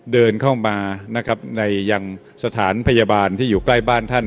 เดินเข้ามานะครับในยังสถานพยาบาลที่อยู่ใกล้บ้านท่าน